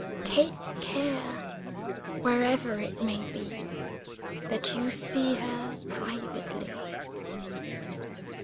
"Take care, wherever it may be, that you see her privately."